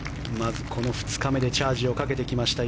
この２日目でチャージをかけてきました。